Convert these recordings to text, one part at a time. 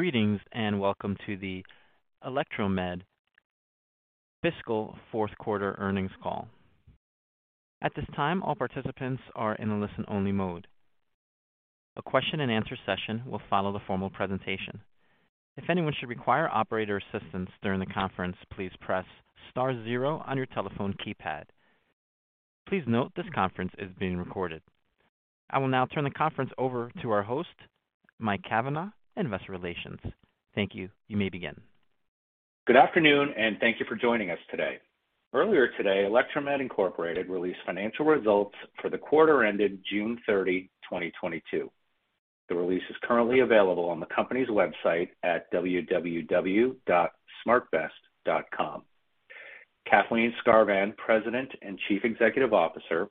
Greetings, and welcome to the Electromed Fiscal Fourth Quarter Earnings Call. At this time, all participants are in a listen-only mode. A Q&A session will follow the formal presentation. If anyone should require operator assistance during the conference, please press star zero on your telephone keypad. Please note this conference is being recorded. I will now turn the conference over to our host, Mike Cavanaugh, Investor Relations. Thank you. You may begin. Good afternoon, and thank you for joining us today. Earlier today, Electromed, Inc. released financial results for the quarter ended June 30, 2022. The release is currently available on the company's website at www.smartvest.com. Kathleen Skarvan, President and Chief Executive Officer,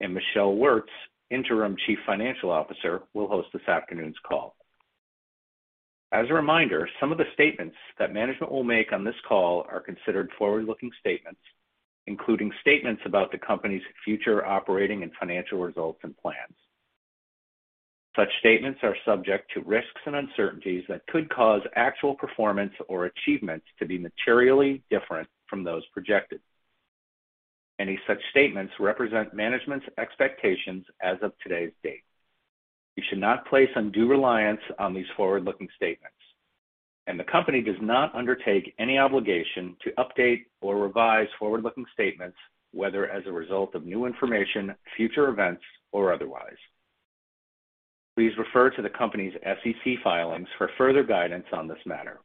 and Michelle Wirtz, Interim Chief Financial Officer, will host this afternoon's call. As a reminder, some of the statements that management will make on this call are considered forward-looking statements, including statements about the company's future operating and financial results and plans. Such statements are subject to risks and uncertainties that could cause actual performance or achievements to be materially different from those projected. Any such statements represent management's expectations as of today's date. You should not place undue reliance on these forward-looking statements, and the company does not undertake any obligation to update or revise forward-looking statements, whether as a result of new information, future events, or otherwise. Please refer to the company's SEC filings for further guidance on this matter.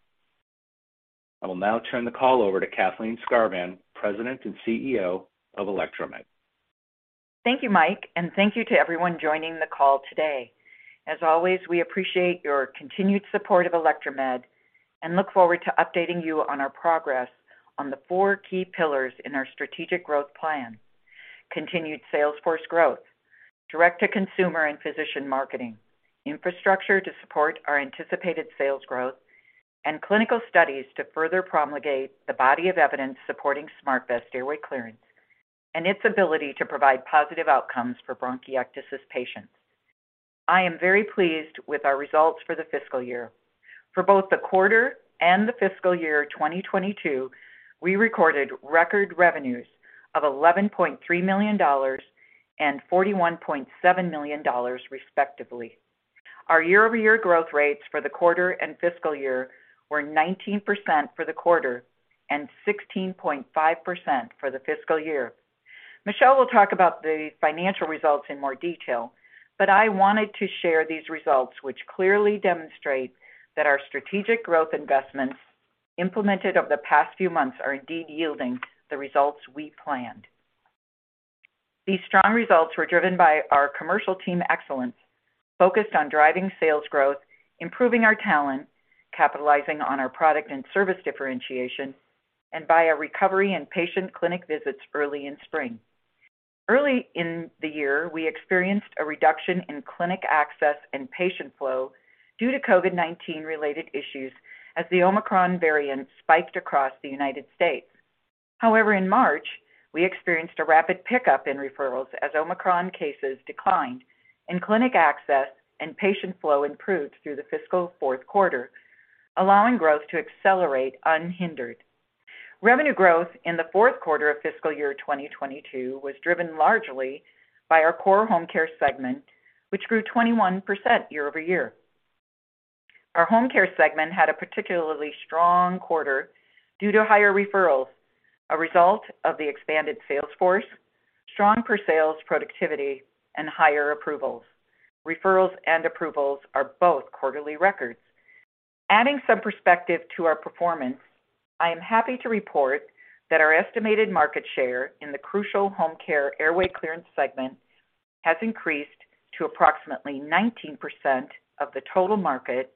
I will now turn the call over to Kathleen Skarvan, President and CEO of Electromed. Thank you, Mike, and thank you to everyone joining the call today. As always, we appreciate your continued support of Electromed and look forward to updating you on our progress on the four key pillars in our strategic growth plan. Continued sales force growth, direct to consumer and physician marketing, infrastructure to support our anticipated sales growth, and clinical studies to further promulgate the body of evidence supporting SmartVest Airway Clearance and its ability to provide positive outcomes for bronchiectasis patients. I am very pleased with our results for the fiscal year. For both the quarter and the fiscal year 2022, we recorded record revenues of $11.3 million and $41.7 million, respectively. Our year-over-year growth rates for the quarter and fiscal year were 19% for the quarter and 16.5% for the fiscal year. Michelle will talk about the financial results in more detail, but I wanted to share these results, which clearly demonstrate that our strategic growth investments implemented over the past few months are indeed yielding the results we planned. These strong results were driven by our commercial team excellence, focused on driving sales growth, improving our talent, capitalizing on our product and service differentiation, and by a recovery in patient clinic visits early in spring. Early in the year, we experienced a reduction in clinic access and patient flow due to COVID-19-related issues as the Omicron variant spiked across the United States. However, in March, we experienced a rapid pickup in referrals as Omicron cases declined and clinic access and patient flow improved through the fiscal fourth quarter, allowing growth to accelerate unhindered. Revenue growth in the fourth quarter of fiscal year 2022 was driven largely by our core home care segment, which grew 21% year-over-year. Our home care segment had a particularly strong quarter due to higher referrals, a result of the expanded sales force, strong per-sales productivity, and higher approvals. Referrals and approvals are both quarterly records. Adding some perspective to our performance, I am happy to report that our estimated market share in the crucial home care airway clearance segment has increased to approximately 19% of the total market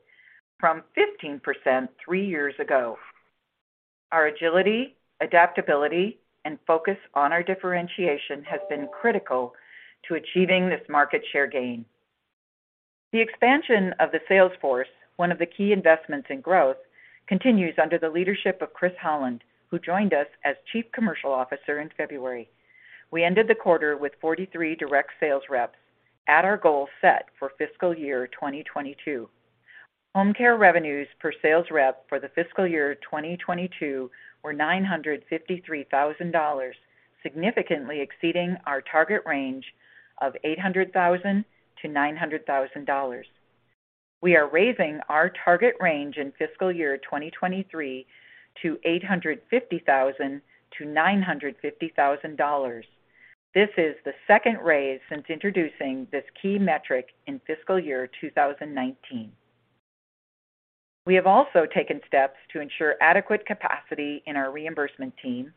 from 15% three years ago. Our agility, adaptability, and focus on our differentiation has been critical to achieving this market share gain. The expansion of the sales force, one of the key investments in growth, continues under the leadership of Chris Holland, who joined us as Chief Commercial Officer in February. We ended the quarter with 43 direct sales reps at our goal set for fiscal year 2022. Home care revenues per sales rep for the fiscal year 2022 were $953,000, significantly exceeding our target range of $800,000-$900,000. We are raising our target range in fiscal year 2023 to $850,000-$950,000. This is the second raise since introducing this key metric in fiscal year 2019. We have also taken steps to ensure adequate capacity in our reimbursement team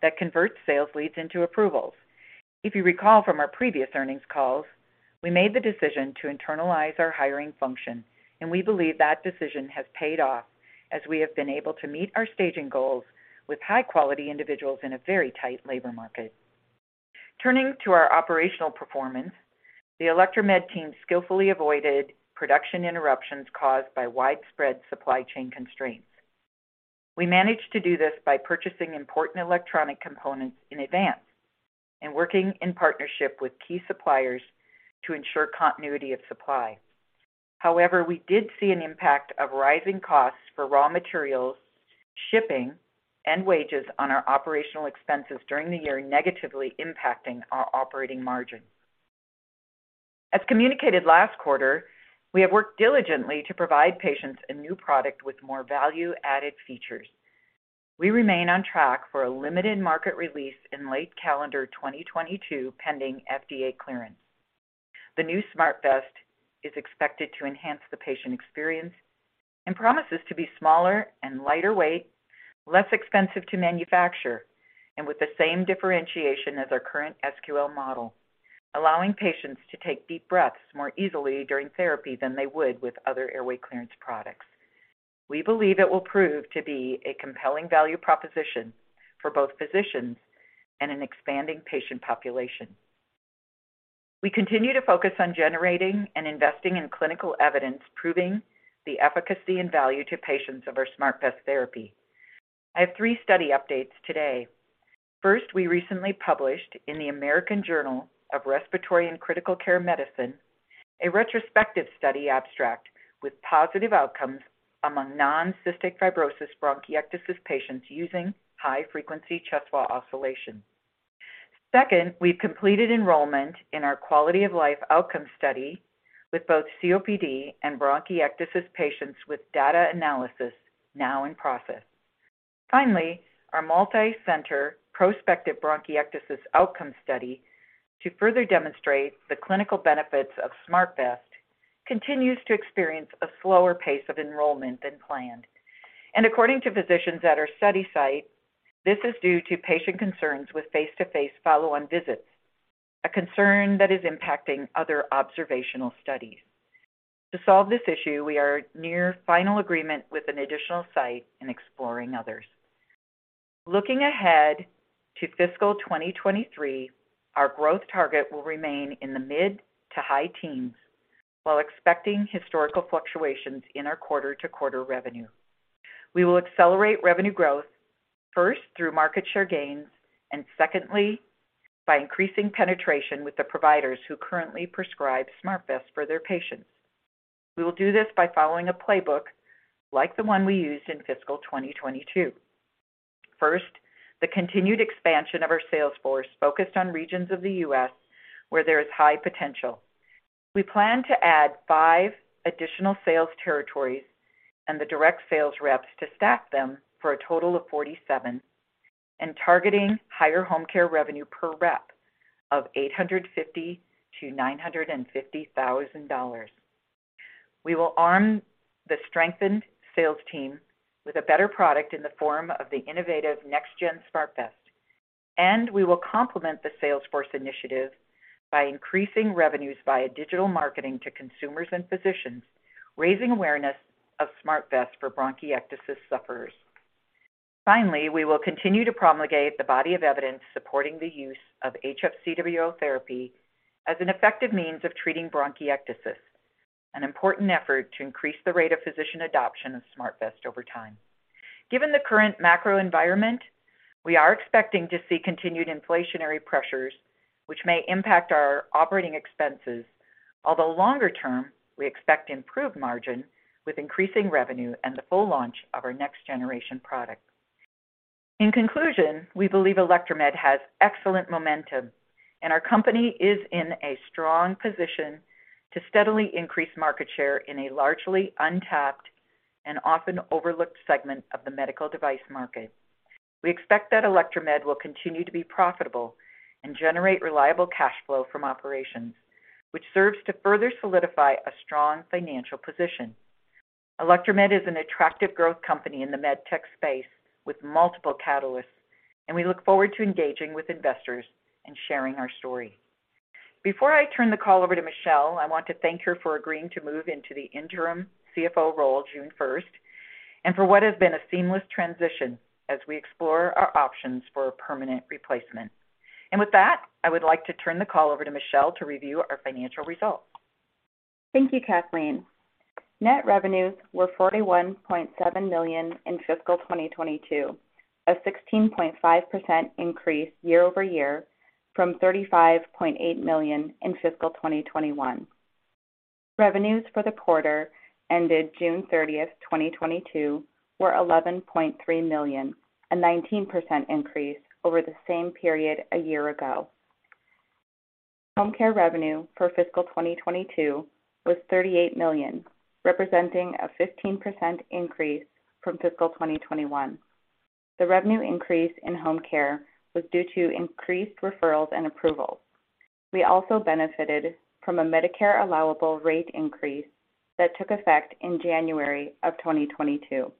that converts sales leads into approvals. If you recall from our previous earnings calls, we made the decision to internalize our hiring function, and we believe that decision has paid off as we have been able to meet our staging goals with high-quality individuals in a very tight labor market. Turning to our operational performance, the Electromed team skillfully avoided production interruptions caused by widespread supply chain constraints. We managed to do this by purchasing important electronic components in advance and working in partnership with key suppliers to ensure continuity of supply. However, we did see an impact of rising costs for raw materials, shipping, and wages on our operational expenses during the year, negatively impacting our operating margin. As communicated last quarter, we have worked diligently to provide patients a new product with more value-added features. We remain on track for a limited market release in late calendar 2022, pending FDA clearance. The new SmartVest is expected to enhance the patient experience and promises to be smaller and lighter weight, less expensive to manufacture, and with the same differentiation as our current SQL model, allowing patients to take deep breaths more easily during therapy than they would with other airway clearance products. We believe it will prove to be a compelling value proposition for both physicians and an expanding patient population. We continue to focus on generating and investing in clinical evidence, proving the efficacy and value to patients of our SmartVest therapy. I have three study updates today. First, we recently published in the American Journal of Respiratory and Critical Care Medicine a retrospective study abstract with positive outcomes among non-cystic fibrosis bronchiectasis patients using high-frequency chest wall oscillation. Second, we've completed enrollment in our quality of life outcome study with both COPD and bronchiectasis patients with data analysis now in process. Finally, our multicenter prospective bronchiectasis outcome study to further demonstrate the clinical benefits of SmartVest continues to experience a slower pace of enrollment than planned. According to physicians at our study site, this is due to patient concerns with face-to-face follow-on visits, a concern that is impacting other observational studies. To solve this issue, we are near final agreement with an additional site and exploring others. Looking ahead to fiscal 2023, our growth target will remain in the mid- to high-teens while expecting historical fluctuations in our quarter-to-quarter revenue. We will accelerate revenue growth first through market share gains and secondly, by increasing penetration with the providers who currently prescribe SmartVest for their patients. We will do this by following a playbook like the one we used in fiscal 2022. First, the continued expansion of our sales force focused on regions of the U.S. where there is high potential. We plan to add 5 additional sales territories and the direct sales reps to staff them for a total of 47 and targeting higher home care revenue per rep of $850,000-$950,000. We will arm the strengthened sales team with a better product in the form of the innovative next-gen SmartVest, and we will complement the sales force initiative by increasing revenues via digital marketing to consumers and physicians, raising awareness of SmartVest for bronchiectasis sufferers. Finally, we will continue to promulgate the body of evidence supporting the use of HFCWO therapy as an effective means of treating bronchiectasis, an important effort to increase the rate of physician adoption of SmartVest over time. Given the current macro environment, we are expecting to see continued inflationary pressures which may impact our operating expenses, although longer term, we expect improved margin with increasing revenue and the full launch of our next generation product. In conclusion, we believe Electromed has excellent momentum, and our company is in a strong position to steadily increase market share in a largely untapped and often overlooked segment of the medical device market. We expect that Electromed will continue to be profitable and generate reliable cash flow from operations, which serves to further solidify a strong financial position. Electromed is an attractive growth company in the med tech space with multiple catalysts, and we look forward to engaging with investors and sharing our story. Before I turn the call over to Michelle, I want to thank her for agreeing to move into the interim CFO role June 1st and for what has been a seamless transition as we explore our options for a permanent replacement. With that, I would like to turn the call over to Michelle to review our financial results. Thank you, Kathleen. Net revenues were $41.7 million in fiscal 2022, a 16.5% increase year-over-year from $35.8 million in fiscal 2021. Revenues for the quarter ended June 30th, 2022 were $11.3 million, a 19% increase over the same period a year ago. Home care revenue for fiscal 2022 was $38 million, representing a 15% increase from fiscal 2021. The revenue increase in home care was due to increased referrals and approvals. We also benefited from a Medicare allowable rate increase that took effect in January 2022.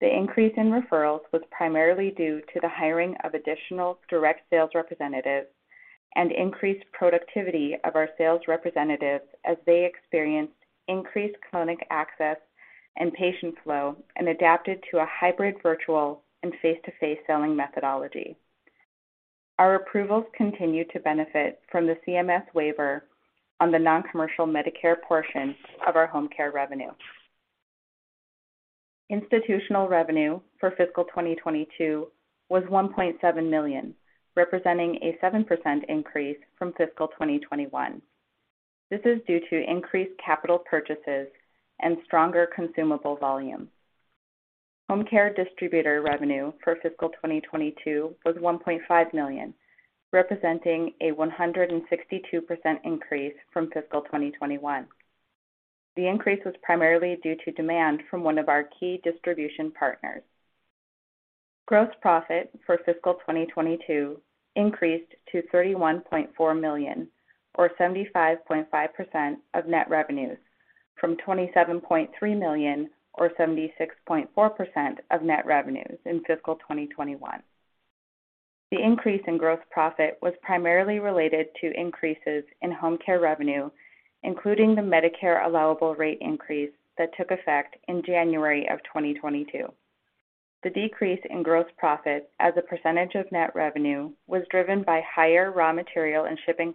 The increase in referrals was primarily due to the hiring of additional direct sales representatives and increased productivity of our sales representatives as they experienced increased clinic access and patient flow and adapted to a hybrid virtual and face-to-face selling methodology. Our approvals continue to benefit from the CMS waiver on the non-commercial Medicare portion of our home care revenue. Institutional revenue for fiscal 2022 was $1.7 million, representing a 7% increase from fiscal 2021. This is due to increased capital purchases and stronger consumable volume. Home care distributor revenue for fiscal 2022 was $1.5 million, representing a 162% increase from fiscal 2021. The increase was primarily due to demand from one of our key distribution partners. Gross profit for fiscal 2022 increased to $31.4 million, or 75.5% of net revenues, from $27.3 million, or 76.4% of net revenues in fiscal 2021. The increase in gross profit was primarily related to increases in home care revenue, including the Medicare allowable rate increase that took effect in January 2022. The decrease in gross profit as a percentage of net revenue was driven by higher raw material and shipping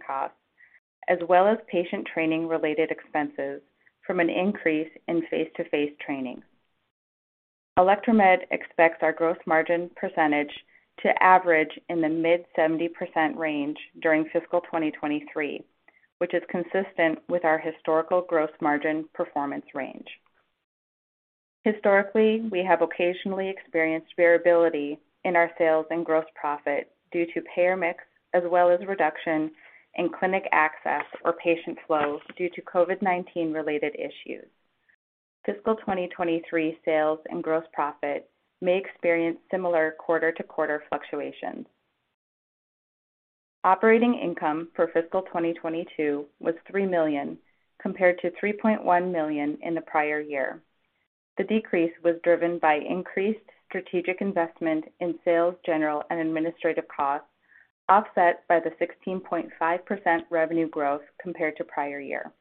costs, as well as patient training-related expenses from an increase in face-to-face training. Electromed expects our gross margin percentage to average in the mid-70% range during fiscal 2023, which is consistent with our historical gross margin performance range. Historically, we have occasionally experienced variability in our sales and gross profit due to payer mix as well as reduction in clinic access or patient flow due to COVID-19 related issues. Fiscal 2023 sales and gross profit may experience similar quarter-to-quarter fluctuations. Operating income for fiscal 2022 was $3 million, compared to $3.1 million in the prior year. The decrease was driven by increased strategic investment in sales, general, and administrative costs, offset by the 16.5% revenue growth compared to prior year.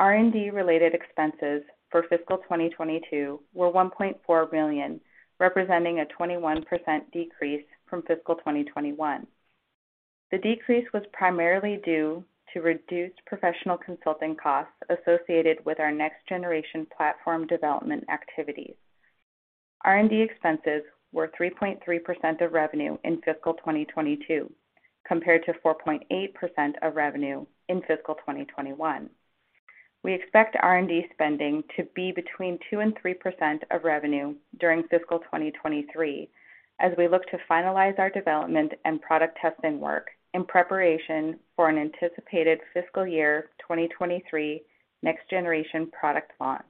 R&D-related expenses for fiscal 2022 were $1.4 million, representing a 21% decrease from fiscal 2021. The decrease was primarily due to reduced professional consulting costs associated with our next generation platform development activities. R&D expenses were 3.3% of revenue in fiscal 2022, compared to 4.8% of revenue in fiscal 2021. We expect R&D spending to be between 2% and 3% of revenue during fiscal 2023 as we look to finalize our development and product testing work in preparation for an anticipated fiscal year 2023 next generation product launch.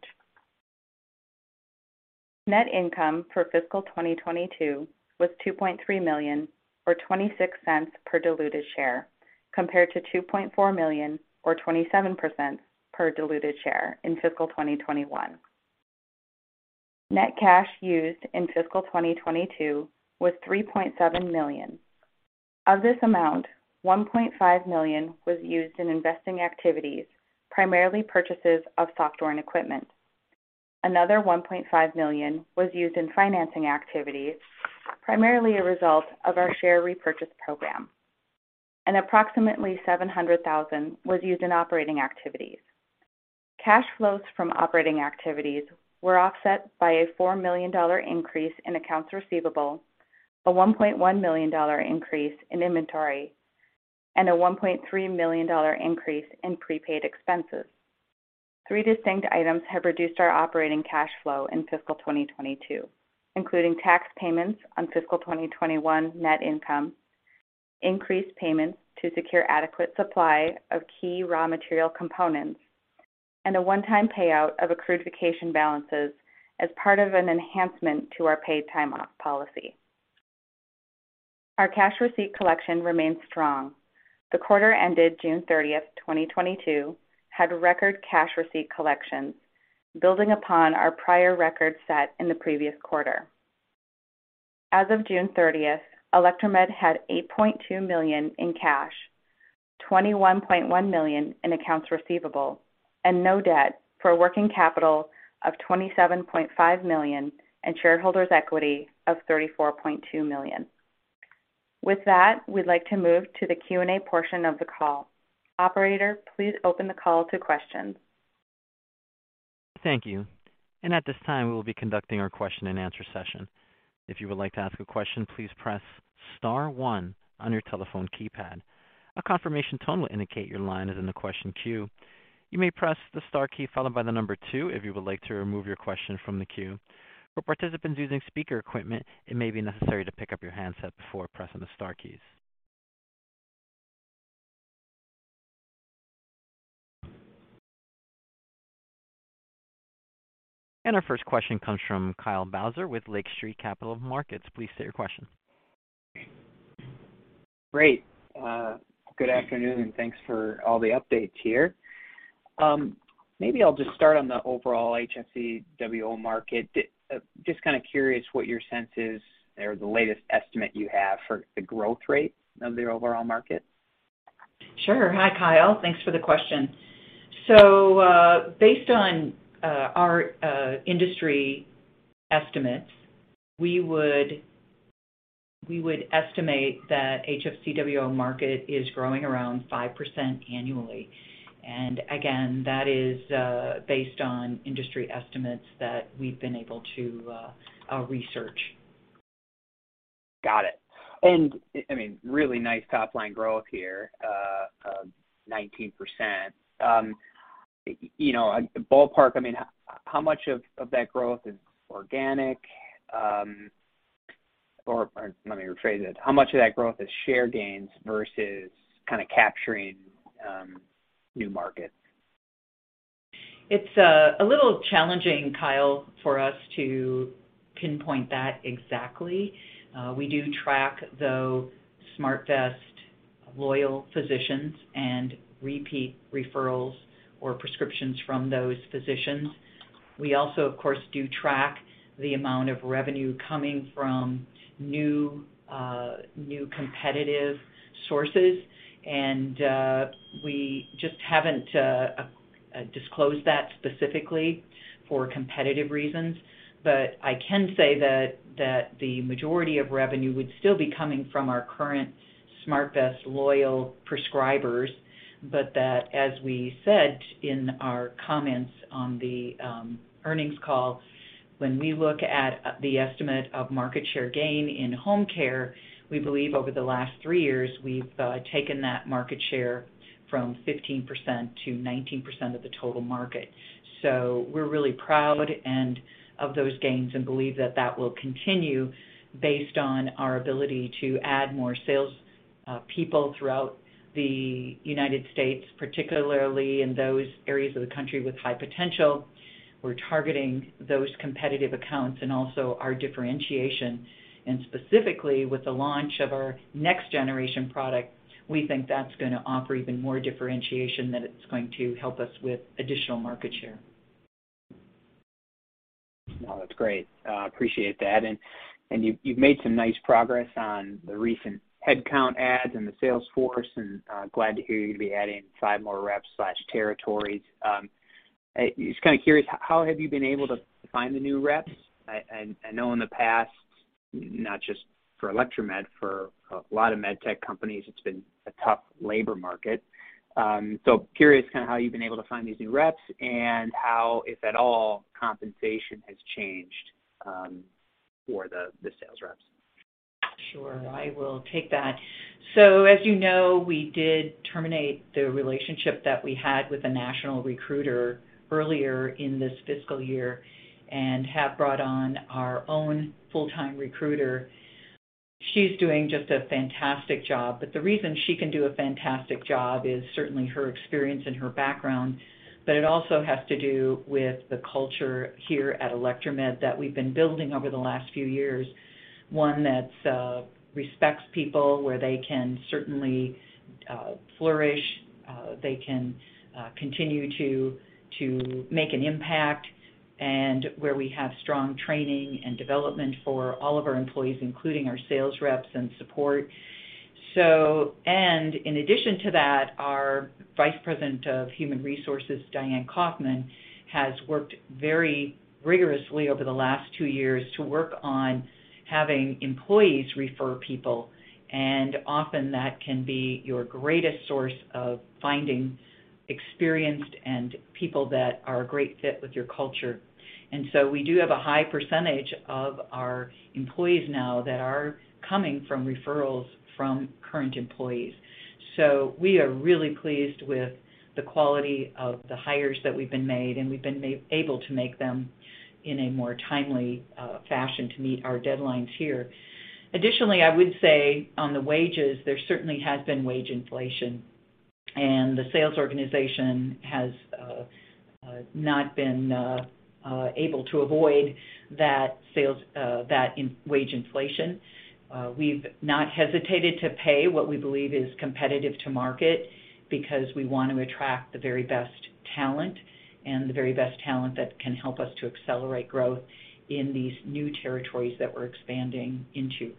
Net income for fiscal 2022 was $2.3 million or $0.26 per diluted share, compared to $2.4 million or $0.27 per diluted share in fiscal 2021. Net cash used in fiscal 2022 was $3.7 million. Of this amount, $1.5 million was used in investing activities, primarily purchases of software and equipment. Another $1.5 million was used in financing activities, primarily a result of our share repurchase program, and approximately $700,000 was used in operating activities. Cash flows from operating activities were offset by a $4 million increase in accounts receivable, a $1.1 million increase in inventory, and a $1.3 million increase in prepaid expenses. Three distinct items have reduced our operating cash flow in fiscal 2022, including tax payments on fiscal 2021 net income, increased payments to secure adequate supply of key raw material components, and a one-time payout of accrued vacation balances as part of an enhancement to our paid time off policy. Our cash receipt collection remains strong. The quarter ended June 30th, 2022, had record cash receipt collections, building upon our prior record set in the previous quarter. As of June 30th, Electromed had $8.2 million in cash, $21.1 million in accounts receivable, and no debt for a working capital of $27.5 million and shareholders equity of $34.2 million. With that, we'd like to move to the Q&A portion of the call. Operator, please open the call to questions. Thank you. At this time, we will be conducting our Q&A session. If you would like to ask a question, please press star one on your telephone keypad. A confirmation tone will indicate your line is in the question queue. You may press the star key followed by the number two if you would like to remove your question from the queue. For participants using speaker equipment, it may be necessary to pick up your handset before pressing the star keys. Our first question comes from Kyle Bauser with Lake Street Capital Markets. Please state your question. Great. Good afternoon, and thanks for all the updates here. Maybe I'll just start on the overall HFCWO market. Just kind of curious what your sense is or the latest estimate you have for the growth rate of the overall market? Sure. Hi, Kyle. Thanks for the question. Based on our industry estimates, we would estimate that HFCWO market is growing around 5% annually. Again, that is based on industry estimates that we've been able to research. Got it. I mean, really nice top-line growth here, 19%. You know, ballpark, I mean, how much of that growth is organic? Or let me rephrase it. How much of that growth is share gains versus kind of capturing new markets? It's a little challenging, Kyle, for us to pinpoint that exactly. We do track though SmartVest loyal physicians and repeat referrals or prescriptions from those physicians. We also, of course, do track the amount of revenue coming from new competitive sources. We just haven't disclosed that specifically for competitive reasons. I can say that the majority of revenue would still be coming from our current SmartVest loyal prescribers. That as we said in our comments on the earnings call, when we look at the estimate of market share gain in home care, we believe over the last three years we've taken that market share from 15%-19% of the total market. We're really proud of those gains and believe that that will continue based on our ability to add more sales people throughout the United States, particularly in those areas of the country with high potential. We're targeting those competitive accounts and also our differentiation. Specifically, with the launch of our next generation product, we think that's gonna offer even more differentiation, that it's going to help us with additional market share. No, that's great. Appreciate that. You've made some nice progress on the recent headcount adds in the sales force, and glad to hear you're gonna be adding five more reps/territories. Just kinda curious, how have you been able to find the new reps? I know in the past, not just for Electromed, for a lot of med tech companies, it's been a tough labor market. Curious kinda how you've been able to find these new reps and how, if at all, compensation has changed for the sales reps. Sure. I will take that. As you know, we did terminate the relationship that we had with a national recruiter earlier in this fiscal year and have brought on our own full-time recruiter. She's doing just a fantastic job. The reason she can do a fantastic job is certainly her experience and her background, but it also has to do with the culture here at Electromed that we've been building over the last few years. One that respects people, where they can certainly flourish, they can continue to make an impact, and where we have strong training and development for all of our employees, including our sales reps and support. In addition to that, our vice president of human resources, Diane Kaufman, has worked very rigorously over the last two years to work on having employees refer people. Often that can be your greatest source of finding experienced and people that are a great fit with your culture. We do have a high percentage of our employees now that are coming from referrals from current employees. We are really pleased with the quality of the hires that we've been made, and we've been able to make them in a more timely fashion to meet our deadlines here. Additionally, I would say on the wages, there certainly has been wage inflation, and the sales organization has not been able to avoid that wage inflation. We've not hesitated to pay what we believe is competitive to market because we want to attract the very best talent that can help us to accelerate growth in these new territories that we're expanding into.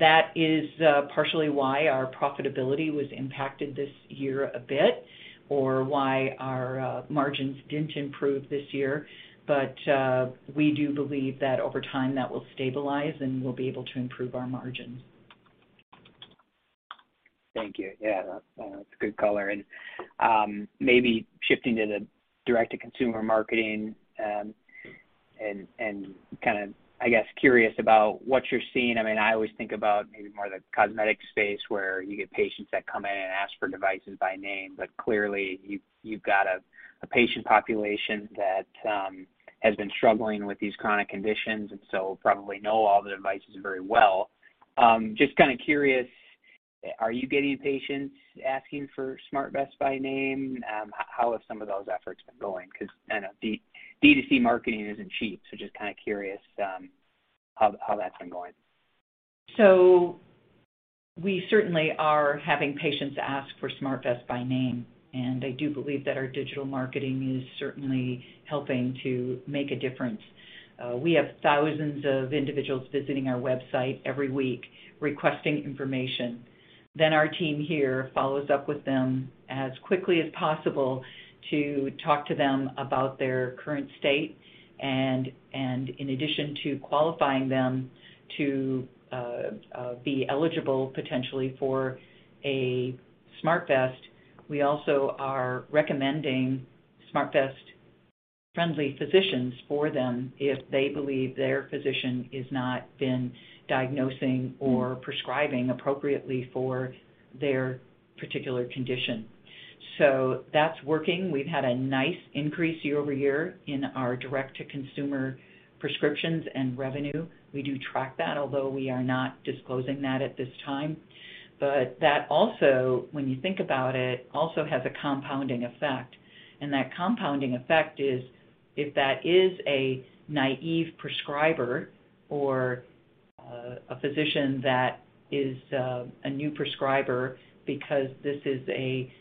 That is partially why our profitability was impacted this year a bit or why our margins didn't improve this year. We do believe that over time, that will stabilize and we'll be able to improve our margins. Thank you. Yeah. That, that's a good color. Maybe shifting to the direct-to-consumer marketing, and kind of, I guess, curious about what you're seeing. I mean, I always think about maybe more the cosmetic space where you get patients that come in and ask for devices by name, but clearly you've got a patient population that has been struggling with these chronic conditions and so probably know all the devices very well. Just kind of curious, are you getting patients asking for SmartVest by name? How have some of those efforts been going? 'Cause I know D2C marketing isn't cheap, so just kind of curious, how that's been going. We certainly are having patients ask for SmartVest by name, and I do believe that our digital marketing is certainly helping to make a difference. We have thousands of individuals visiting our website every week requesting information. Our team here follows up with them as quickly as possible to talk to them about their current state and in addition to qualifying them to be eligible potentially for a SmartVest, we also are recommending SmartVest-friendly physicians for them if they believe their physician is not been diagnosing or prescribing appropriately for their particular condition. That's working. We've had a nice increase year-over-year in our direct-to-consumer prescriptions and revenue. We do track that, although we are not disclosing that at this time. That also, when you think about it, also has a compounding effect. That compounding effect is if that is a naive prescriber or a physician that is a new prescriber because this is a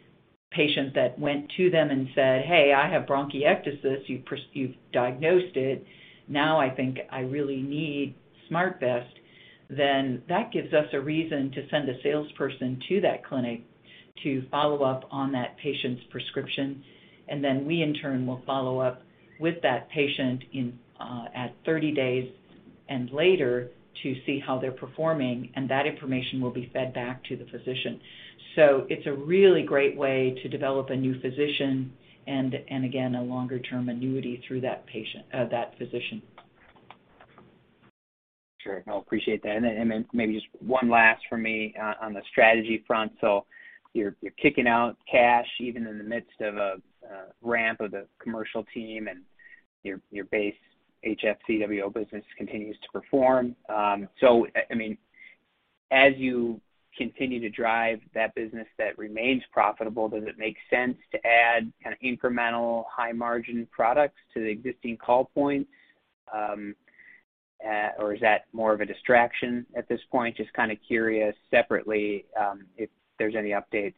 patient that went to them and said, "Hey, I have bronchiectasis. You've diagnosed it. Now I think I really need SmartVest," then that gives us a reason to send a salesperson to that clinic to follow up on that patient's prescription. Then we in turn will follow up with that patient at 30 days and later to see how they're performing, and that information will be fed back to the physician. It's a really great way to develop a new physician and again, a longer term annuity through that physician. Sure. No, appreciate that. Maybe just one last from me on the strategy front. You're kicking out cash even in the midst of ramp of the commercial team and your base HFCWO business continues to perform. I mean, as you continue to drive that business that remains profitable, does it make sense to add kind of incremental high-margin products to the existing call point? Or is that more of a distraction at this point? Just kind of curious separately, if there's any updates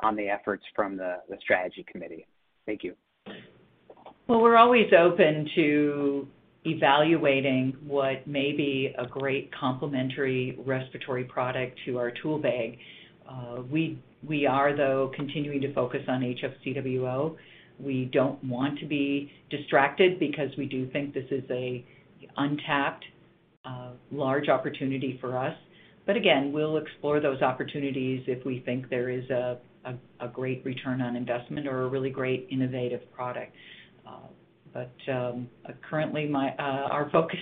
on the efforts from the strategy committee. Thank you. Well, we're always open to evaluating what may be a great complementary respiratory product to our tool bag. We are though continuing to focus on HFCWO. We don't want to be distracted because we do think this is an untapped large opportunity for us. Again, we'll explore those opportunities if we think there is a great return on investment or a really great innovative product. Currently, our focus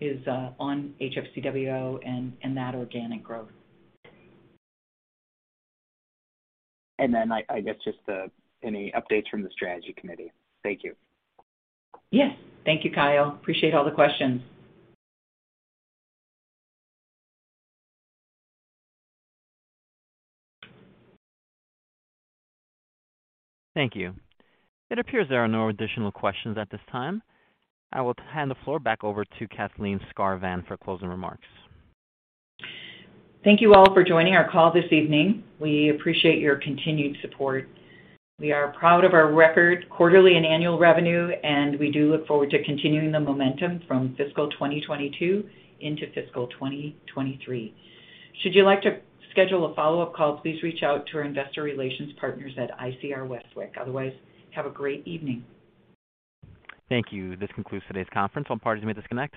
is on HFCWO and that organic growth. I guess just any updates from the strategy committee. Thank you. Yes. Thank you, Kyle. Appreciate all the questions. Thank you. It appears there are no additional questions at this time. I will hand the floor back over to Kathleen Skarvan for closing remarks. Thank you all for joining our call this evening. We appreciate your continued support. We are proud of our record quarterly and annual revenue, and we do look forward to continuing the momentum from fiscal 2022 into fiscal 2023. Should you like to schedule a follow-up call, please reach out to our investor relations partners at ICR Westwicke. Otherwise, have a great evening. Thank you. This concludes today's conference. All parties may disconnect.